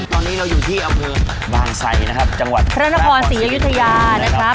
ตอนนี้เราอยู่ที่อำเภอบางไซนะครับจังหวัดพระนครศรีอยุธยานะครับ